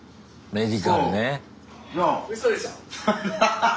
メディカルね。